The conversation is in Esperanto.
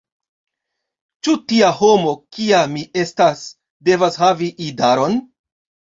Ĉu tia homo, kia mi estas, devas havi idaron?